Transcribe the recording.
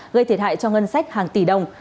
gây thiệt hại cho ngân sách hàng tỷ đồng